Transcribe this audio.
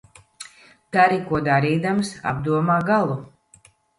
Dari ko darīdams, apdomā galu.